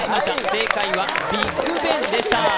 正解はビッグ・ベンでした。